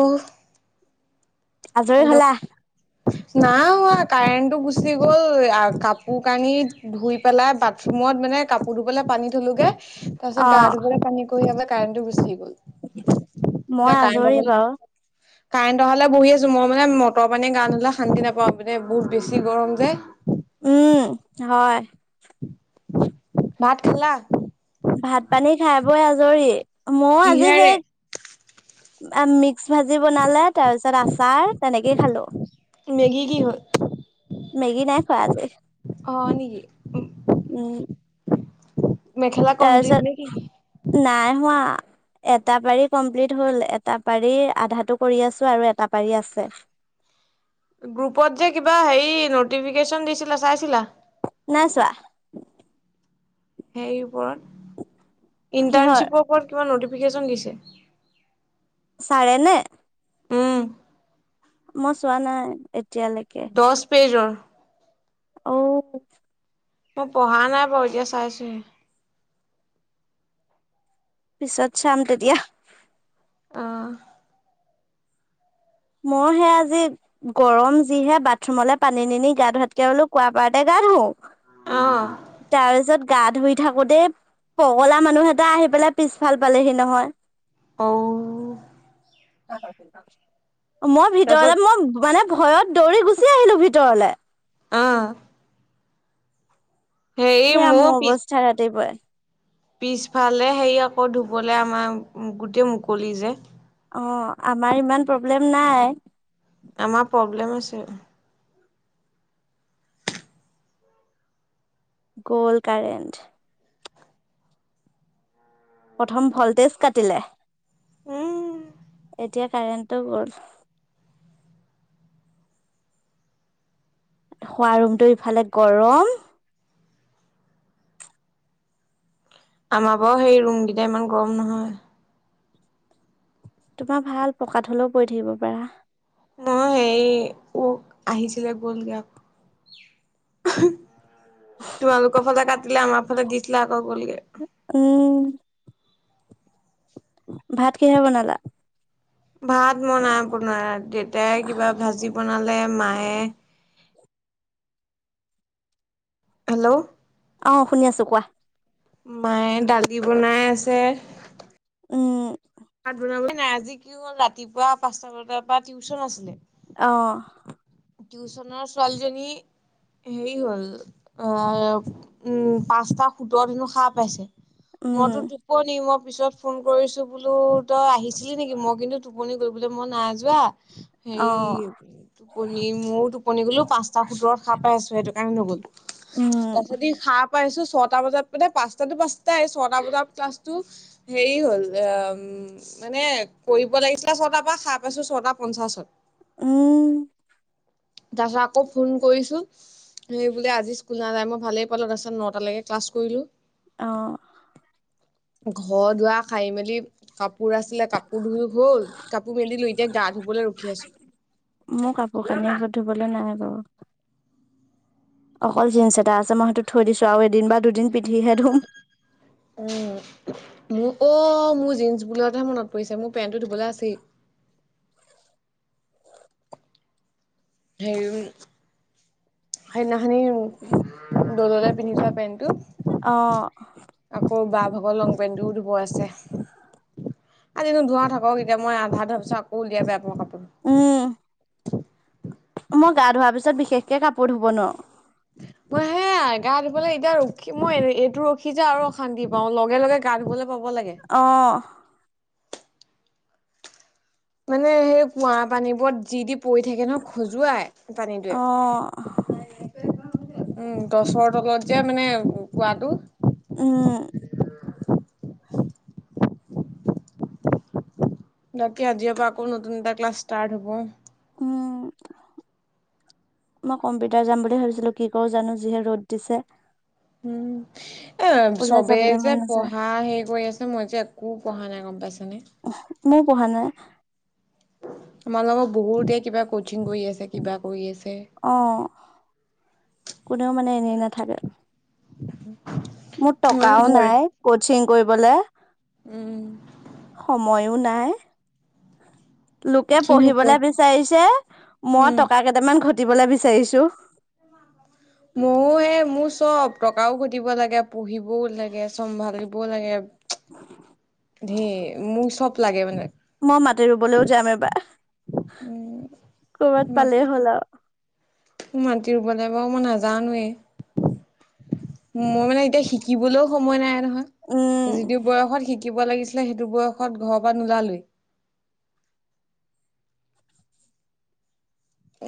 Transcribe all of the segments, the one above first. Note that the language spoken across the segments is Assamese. অহ। আজৰি হেল্ল' হ'লা? নাই হোৱা কাৰেণ্টটো গুচি গ'ল, কাপোৰ-কানি ধুই- পেলাই বাথৰুমত মানে কাপোৰ ধুবলে পানী থলোগে। তাৰ পিছত গা অ', ধূবলে পানী কৰি আই কাৰেণ্টটো গুচি গ'ল। মই এতিয়া আজৰি কাৰেণ্ট- বাৰু। কাৰেণ্টটো অহালে বহি আছো মই মানে মটৰ পানী গা ধূলে- শান্তি নাপাওঁ পিনে বহুত বেছি গৰম যে। উমঁ, হয়। ভাত খালা? ভাত-পানী খাই বৈ আজৰি। মই আজি কিহেৰে সেই- মিক্স ভাজি বনালে তাৰ পিছত আচাৰ তেনেকেই খালোঁ। মেগী কি হ'ল? মেগী নাই খোৱা আজি, অ নেকি উমঁ। মেখেলা কমপ্লিট নে কি তাৰপিছত নাই হোৱা। এটা পাৰি কমপ্লিট হ'ল, এটা পাৰি আধাটো কৰি আছো আৰু এটা পাৰি আছে। গ্ৰুপত যে কিবা হেৰি নটিফিকেশ্যন দিছিলে চাইছিলা? নাইছোৱা। সেই ওৰচত, কিহৰ ইন্টাৰ্ণশ্বিপৰ ক'ত গ'ল, নটিফিকেচন দিছে। চাৰে নে? উম, মই চোৱা নাই এতিয়ালৈকে। দ'হ পেজৰ ৰুল। অঔ। মই পঢ়া নাই বাৰু এতিয়া চাইছোহে। পিছত চাম তেতিয়া। অঁহ। মই সে আজি- গৰম যিহে বাথৰুমলে পানী নি গা ধূৱাতকে বোলো কুৱা পাৰতে গা ধুও। অ', তাৰপিছত- গা ধুই থাকোতেই পগলা মানুহ এটা আহি পেলাই পিছফালে পালেহি নহয়। অঔ। মই তাৰপিছত ভিতৰলে, মই মানে ভয়ত দৌৰি গুচি আহিলো ভিতৰলে। অঁহ। হেৰি সেয়া মোৰ পিছ অৱস্থা ৰাতিপুৱাই। পিছফালে সেই আকৌ ধুবলে আমাৰ গোটেই মুকলি যে। অ আমাৰ ইমান প্ৰব্লেম নাই আমাৰ প্ৰব্লেম আছে গল কাৰেণ্ট প্ৰথম ভল্টেজ কাটিলে উম এতিয়া কাৰেণ্টটো গ'ল শুৱা ৰুমটো ইফালে গৰম আমাৰ বাও সেই ৰুমকেইটা ইমান গৰম নহয় তোমাৰ ভাল পকাত হলেও পৰি থাকিব পাৰা নহয় সেই ও আহিছিলে গ'লগে আকৌ তোমালোকৰ ফালে কাটিলে আমাৰ ফালে দিছিলে আকৌ গলগে উম ভাত কিহেৰে বনালা ভাত মই নাই বনোৱা দেউতাই কিবা ভাজি বনালে মায়ে হেল্ল অ শুনি আছো কোৱা মায়ে দালি বনাই আছে উম ভাত বনাবলে নাই আজি কি হ'ল ৰাতিপুৱা পাঁচটা বজাৰ পৰা টিউচন আছিলে অ টিউচনৰ ছোৱালীজনী হেৰি হ'ল অ উম পাঁচটা সোতৰ দিনো সাৰ পাইছে [unintelligible] উম, টোপনি মই পিছত ফোন কৰিছো বোলো তই আহিছিলি নেকি মই কিন্তু টোপনি গৈ বোলে মই নাযোৱা অ', হেৰি টোপনি মোৰো টোপনি গলো পাঁচটা সোতৰত সাৰ পাই আছো সেইটো কাৰণে নগলো উম, তাৰপিছতদি সাৰ পাইছো ছটা বজাত মানে পাঁচটাতো পাঁচটাই ছটা বজাত ক্লাছটো হেৰি হ'ল অ উ মানে কৰিব লাগিছিলে ছটাৰ পৰা সাৰ পাইছো ছটা পঞ্চাশত উম তাৰপাছত আকৌ ফোন কৰিছো সেই বোলে আজি স্কুল নাযায় মই ভালেই পালো তাৰপাছত নটালৈকে ক্লাছ কৰিলো অ ঘৰ দুৱা সাৰি মেলি কাপোৰ আছিলে কাপ কাপোৰ ধুই হ'ল কাপোৰ মেলিলো এতিয়া গা ধুবলে ৰখি আছো মোৰ কাপোৰ কানিৰ আক ধুবলে নাই বাৰু অকল জিন্স এটা আছে মই সেইটো থৈ দিছো আৰু এদিন বা দুদিন পিন্ধিহে ধূম অ মোৰ অ মোৰ জিঞ্চ বোলোতেহে মনত পৰিছে মোৰ পেণ্টটো ধুবলে আছেই [unintelligible] সেইদিনাখনি দললে পিন্ধি যোৱা পেন্টটো অ আকৌ বা ভাগৰ লং পেন্টটোও ধুব আছে আজি নোধোও থাকক এতিয়া মই আধা ধোৱা পিছত আকৌ উলিয়াই বেয়া পাওঁ কাপোৰ উম মই গা ধোৱাৰ পিছত বিশেষকে কাপোৰ ধুব নোৱাৰো মই হে ন গা ধুবলৈ এতিয়া ৰখি মই এইটো ৰখি যে আৰু অশান্তি পাওঁ লগে লগে গা ধুবলৈ পাব লাগে। অঁ মানে সেই কুঁৱা পানীবোৰত যি দি পৰি থাকে নহয় খজুৱাই অ', পানীটোৱে। উম গছৰ তলত যে মানে পোৱাতটো উম। ডাককীয়া আজিৰ আকৌ নতন এটা ক্লাছ ষ্টাৰ্ট হ'ব। উম। মই কম্পিউটাৰ যাম বুলি ভাবিছিলো কি কৰো জানো। যিহে ৰ'দ দিছে। উম এ ওলাই চবেই যাবলৈ যে মন নাযায় পঢ়া হেৰি কৰি আছে মই যে একো পঢ়া নাই গম পাইছানে। মইও পঢ়া নাই। আমাৰ লগৰ বহুতে কিবা কচিং কৰি আছে কিবা কৰি আছে। অ কোনেও মানে এনেই নাথাকে। মোৰ মই টকাও ঘৰ নাই কচিং কৰিবলে। উম। সময়ো নাই। লোকে কিনো পঢ়িবলে কৈ বিচাৰিছে মই উম টকা কেইটামান ঘটিবলৈ বিচাৰিছোঁ। [inaudible] মোৰো এই মোৰ চব টকাও ঘটিব লাগে পঢ়িবও লাগে, চম্ভালিবও লাগে। ধে মোৰ চব লাগে মানে। মই মাটি ৰুবলৈও যাম এবাৰ উম ক'ৰবাত মাটি পালেই হ'ল আৰু। মাটি ৰুবলে আকৌ মই নাজানানোৱেই। মই মানে এতিয়া শিকিবলৈও সময় নাই নহয়। উম যিটো বয়সত শিকিব লাগিছিল সেইটো বয়সত ঘৰৰ পৰা নোলালোৱে।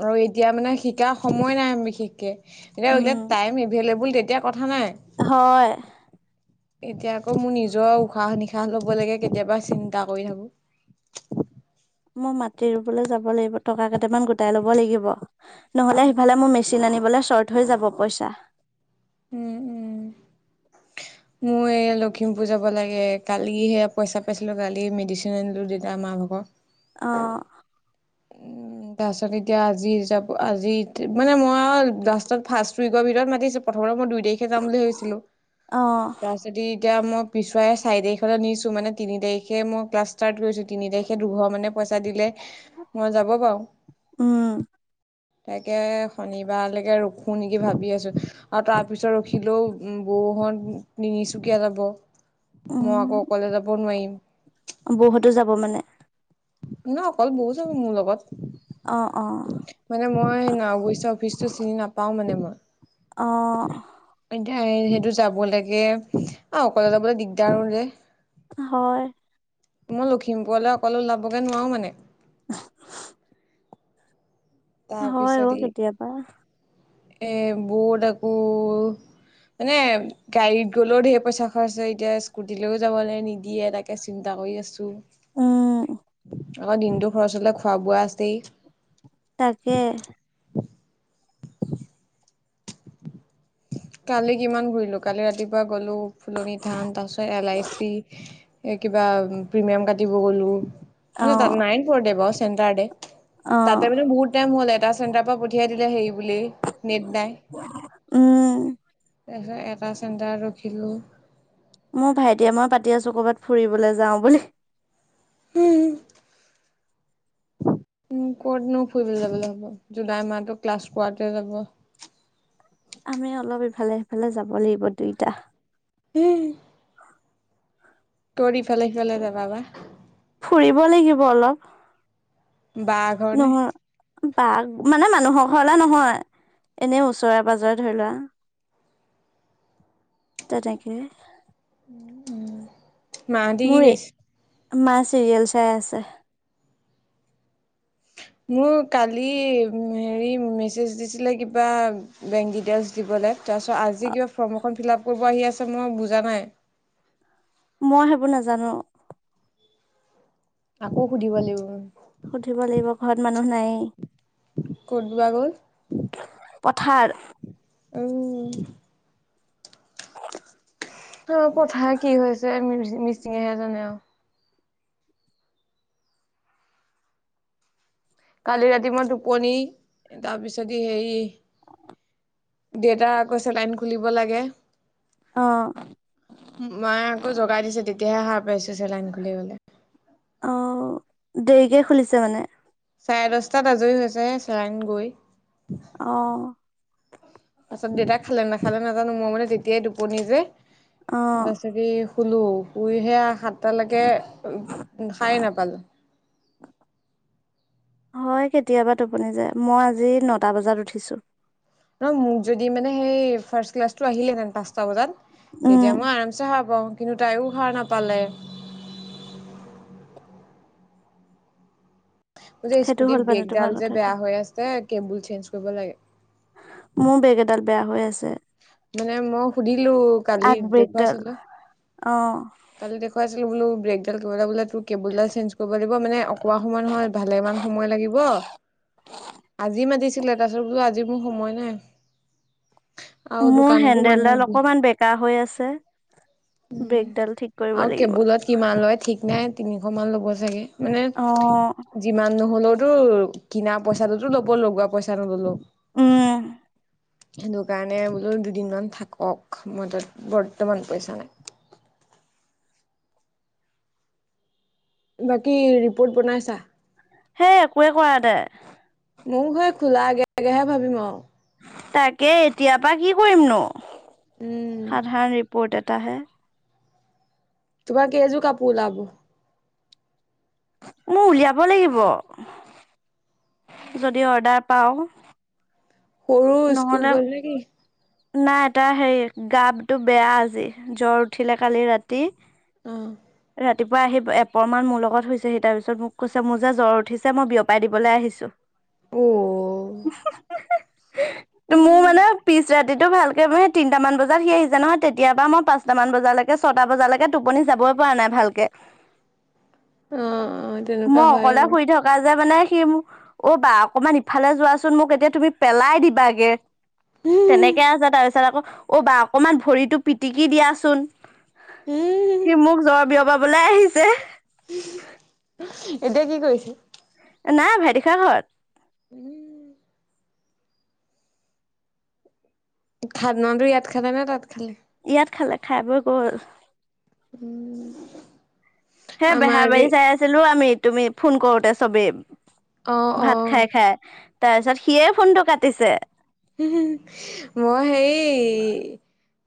আৰু এতিয়া মানে শিকাৰ সময় নাই। বিশেষকে এতিয়া এতিয়া উম টাইম এভেইলেবোল। এতিয়া কথা নাই। হয়। এতিয়া আকৌ মোৰ নিজৰ উশাহ নিশাহ ল'ব লাগে কেতিয়াবা চিন্তা কৰি থাকো। মই মাটি ৰুবলৈ যাব লাগিব টকা কেইটামান গোটাই ল'ব লাগিব। নহ'লে উম, সিফালে মোৰ মেচিন আনিবলৈ শৰ্ট হৈ যাব পইচা। উম উম। [inaudible] মোৰ এই লখিমপুৰ যাব লাগে কালি সেয়া পইচা পাইছিলো কালি মেডিচিন আনিলো দেউতা মাৰ ভাগৰ। অঁ [inaudible] তাৰপিছত এতিয়া আজি আজি মানে মইও লাষ্টত ফাৰ্ষ্ট উইকৰ ভিতৰত মাতিছো। প্ৰথমতে মই দুই তাৰিখে যাম বুলি ভাবিছিলোঁ। অঁ যদি এতিয়া মই পিছুৱাই চাৰি তাৰিখলৈ নিছোঁ। মানে তিনি তাৰিখে মই ক্লাছ ষ্টাৰ্ট কৰিছোঁ। তিনি তাৰিখে দুঘৰ মানে পইচাঁ দিলে মই যাব পাৰো। উম। তাকে শনিবাৰলৈকে ৰখোঁ নেকি ভাবি আছোঁ। আৰু তাৰ পিছত ৰখিলেও বৌ হঁত তিনিচুকীয়া যাব। মই আকৌ অকলে যাব নোৱাৰিম। বৌ হঁতেও যাব মানে? ন' অকল বৈ যাব মোৰ লগত। অঁ অঁ। মানে মই [unintelligible] অৱশ্যে অফিচটো চিনি নাপাও মানে মই। অঁ। এতিয়া সেইটো যাব লাগে আৰু অকলে যাবলৈ দিগদাৰ হয় যে। হয়। মই লখিমপুৰলৈ অকলে ওলাবগৈ নোৱাৰো মানে। [unintelligible] তাৰ হয় অ পিছত কেতিয়াবা ই এ বৈত আকৌ মানে গাড়ীত গ'লেও ঢেৰ পইচা খৰচ হয়, এতিয়া স্কুটি লৈও যাবলে নিদিয়ে। তা কে চিন্তা কৰি আছো। উম আকৌ দিনটো খৰচ হ'লে খোৱা বোৱা আছেই। তাকে। কালি কিমান ঘুৰিলো, কালি ৰাতিপুৱা গলো ফুলনি থান তাৰ পিছত এল আইচি এই কিবা প্ৰিমিয়াম কাটিব গ'লোঁ। অ এনেই তাত নাইন ফৰ [unintelligible] চেণ্টাৰতে অ তাতে মানে বহুত টাইম হ'ল এটা চেণ্টাৰ পৰা পঠিয়াই দিলে সেৰি বুলি নেট নাই। উমঁ। তাৰপিছত এটা চেণ্টাৰ ৰখিলোঁ। মোৰ ভাইটিয়ে মই পাতি আছো ক'ৰবাত ফুৰিবলৈ যাওঁ বুলি। হুম। উমঁ' ক'তনো ফুৰিবলৈ যাবলৈ হ'ব, জুলাই মাহটো ক্লাছ কৰাৱাটে যাব। আমি অলপ ইফালে সিফালে যাব লাগিব দুইটা। উম। কৰি ইফাল সিফাল যাবা বা। ফুৰিব লাগিব অলপ, বা ঘৰ নে নহয়। বাঘ মানে মানুহৰ ঘৰলে নহয়। এনেই ওচৰে পাজৰে ধৰি লোৱা। তেনেকে। মাহঁতি কি মোৰ, কৰিছে মা চিৰিয়েল চাই আছে। মোক কালি হেৰি মেছেজ দিছিলে কিবা বেংক ডিটেইলছ দিবলৈ। তাৰপিছত আজি কিবা ফৰ্ম এখন ফিল আপ কৰিব আহি আছে মই বুজা নাই। মই সেইবোৰ নাজানো। আকৌ সুধিব লাগিব। সুধিব লাগিব ঘৰত মানুহ নায়েই। ক'ত বা গ'ল? পথাৰ। অঁ। অঁ' কথা কি হৈছে মিচিঙেহে জানে আৰু। কালি ৰাতি মই টোপনি তাৰপিছত ই হেৰি দেতাৰ আকৌ চেলাইন খুলিব লাগে। অঁ। মাই আকৌ জোগাই দিছে তেতিয়াহে সাৰ পাইছো চেলাইন খুলিবলে। অঁ' দেৰিকে খুলিছে মানে। চাৰে দহটাত আজৰি হৈছেহে চেলাইন গৈ। অহ'। পাছত দেউতাই খালে নাখালে নাজানো, মই মানে তেতিয়াই টোপনি যে। অ তাৰপিছত এই শুলোঁ, শুইহে সাতটালৈকে সাৰে নাপালোঁ। হয় কেতিয়াবা টোপনি যায়। মই আজি নটা বজাত উঠিছোঁ। ন মোক যদি মানে সেই ফাৰ্ষ্ট ক্লাছটো আহিলেহেঁতেন পাঁচটা বজাত উম তেতিয়া মই আৰামচে সাৰ পাওঁ, কিন্তু তাইও সাৰ নাপালে। যে সেইটো হ'ল স্কুটিৰ মানে তোমাৰ ব্ৰেগডাল যে কথাটো বেয়া হৈ আছে, কেবুল চেঞ্জ কৰিব লাগে। মোৰ ব্ৰেগ এডাল বেয়া হৈ আছে। মানে মই সুধিলোঁ কালি আগব্ৰেকডাল দেখুৱাইছিলোঁ। অ কালি দেখুৱাইছিলোঁ বোলো ব্ৰেকডাল কিবা এটা বোলে তোৰ কেবোলডাল চেঞ্জ কৰিব দিব মানে অকণমান সময় নহয় ভালে মান সময় লাগিব। [unintelligible] আজি মাতিছিলে, তাৰপিছত বোলো আজি মোৰ সময় নাই। আৰু মোৰ দোকানতো হেন্দেলডাল মানুহ অকমান বেকা হৈ আছে, ব্ৰেকডাল ঠিক কৰিব আৰু লাগিব। কেবুলত কিমান লয় ঠিক নাই, তিনিশ মান ল'ব চাগে মানে অ যিমান নহ'লেওতো কিনা পইচাটোতো ল'ব, লগোৱা পইচা নল'লেও। উম' সেইটো কাৰণে বোলো দুদিনমান থাকক, মোৰ হাতত বৰ্তমান পইচা নাই। বাকী ৰিপৰ্ট বনাইছা? সেই একোৱেই কৰা নাই। মোৰ হে খোলা আগে আগেহে ভাবিম আৰু। তাকে এতিয়াৰ পৰা কি কৰিম নো, উম সাধাৰণ ৰিপৰ্ট এটাহে। তোমাৰ কেইযোৰ কাপোৰ ওলাব? মোৰ উলিয়াব লাগিব, যদি অৰ্ডাৰ পাওঁ। সৰু স্কুল নহ'লে গ'ল নেকি নাই এটা হেৰি গাটো বেয়া আজি, জ্বৰ উঠিলে কালি ৰাতি। অ ৰাতিপুৱা ত আহি এপৰ মান মোৰ লগত হৈছে, সি তাৰ পিছত মোক কৈছে মোৰ যে জ্বৰ উঠিছে, মই বিয়পাই দিবলৈ আহিছোঁ। অ অ মোৰ মানে পিছ ৰাতি ৰাতিটো ভালকে সেই তিনিটামান বজাত সি আহিছে নহয় তেতিয়াৰ পৰা মই পাঁচটামান বজালৈকে, ছটা বজালৈকে টোপনি যাবই পৰা নাই ভালকে, অ তেনেকুৱা মই হয় অকলে বাৰু শুই থাকো। দজা পিনে সি মোক অ' বা অকমান ইফালে যোৱাচোন, মোক এতিয়া তুমি পেলাই দিবাগে। উম তেনেকে আছে তাৰ পিছত আকৌ অ' বা অকমান ভৰিতো পিটিকি দিয়াচোন। উম সি মোক জ্বৰ বিয়পাবলৈ আহিছে। এতিয়া কি কৰিছে? নাই ভাইটি খা ঘৰত। উম' খানা টো ইয়াত খালে, নে তাত খালে? ইয়াত খালে, খাই বৈ গ'ল। উম' হে বেহাৰবাৰী চাই আছিলোঁ আমি, তুমি ফোন কৰোতে চবেই। অ' ভাত অ' খাই-খাই তাৰপিছত সিয়ে ফোনটো কাটিছে। মই সেই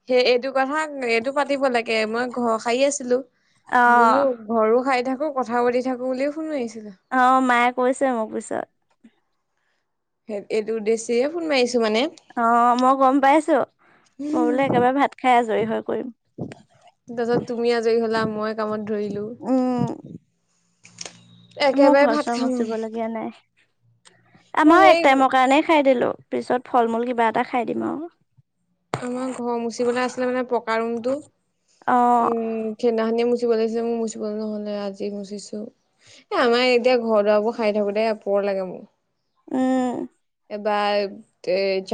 সেই এইটো কথা, এইটো পাতিব লাগে, মই ঘৰ সাৰি আছিলোঁ। বোলো অ ঘৰৰো সাৰি থাকো, কথাও পাতি থাকো বুলি ফোন মাৰিছিলোঁ। অ' মায়ে কৈছে মোক পিছত। এইটো উদ্দেশ্যেৰে ফোন মাৰিছোঁ মানে। অঁ মই গম পাইছো মই বোলো একেবাৰে ভাত খাই আজৰি হৈ কৰিম। তাছত তুমি আজৰি হলা, মই কামত ধৰিলো। উম মোৰ একেবাৰে ভাত ঘৰচৰ খাম মচিব আৰু। লগীয়া নাই। মোৰ আমাৰ এক সেই টাইমৰ কাৰণেই খাই দিলো পিছত ফল মূল কিবা এটা খাই দিম আও। আমাৰ ঘৰ মুচিবলে আছিলে মানে পকা ৰুমতটো। অ উম' সেইনাখনিয়ে মুচিব লাগিছে মোৰ মুচিবলে নহ'লে আজি মুচিছো। এ আমাৰ এতিয়া ঘৰ দুৱাৰ বোৰ সায়ি থাকোতে পৰ লাগে মোৰ। উম' বা কে জা-